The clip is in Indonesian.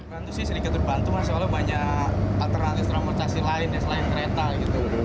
perantusi sedikit berbantu masalah banyak alternatif transportasi lain selain kereta gitu